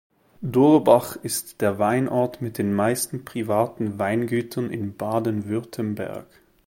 Durbach ist der Weinort mit den meisten privaten Weingütern in Baden-Württemberg.